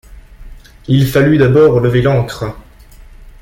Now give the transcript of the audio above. Il fallut d’abord lever l’ancre.